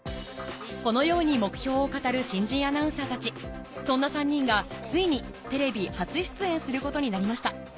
このように目標を語る新人アナウンサーたちそんな３人がついにテレビ初出演することになりました